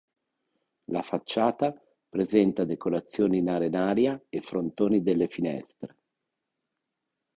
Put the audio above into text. La facciata presenta decorazioni in arenaria e frontoni delle finestre.